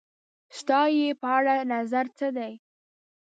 ستا یی په اړه نظر څه دی؟